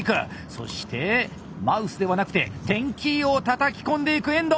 そしてマウスではなくてテンキーをたたき込んでいく遠藤！